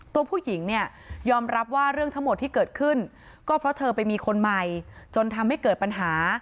ตัวผู้หญิงเนี่ยยอมรับว่าเรื่องทั้งหมดที่เกิดขึ้นก็เพราะเธอไปมีคนใหม่จนทำให้เกิดปัญหา